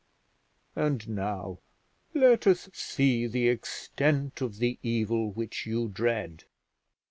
And now let us see the extent of the evil which you dread.